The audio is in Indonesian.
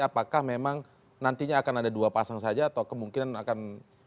apakah memang nantinya akan ada dua pasang saja atau kemungkinan akan